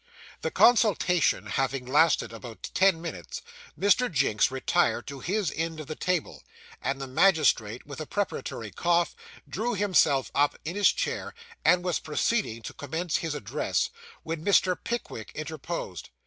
The consultation having lasted about ten minutes, Mr. Jinks retired to his end of the table; and the magistrate, with a preparatory cough, drew himself up in his chair, and was proceeding to commence his address, when Mr. Pickwick interposed.